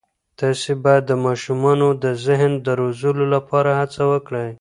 تاسې باید د ماشومانو د ذهن د روزلو لپاره هڅه وکړئ.